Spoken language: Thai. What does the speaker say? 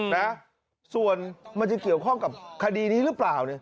นะส่วนมันจะเกี่ยวข้องกับคดีนี้หรือเปล่าเนี่ย